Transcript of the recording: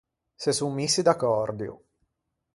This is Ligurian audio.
Se son missi d’accòrdio.